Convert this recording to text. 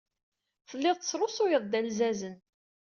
Telliḍ tesrusuyeḍ-d alzazen.